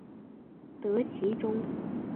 得其中